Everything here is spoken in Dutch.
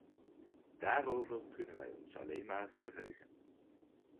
Daarover kunnen wij ons alleen maar verheugen.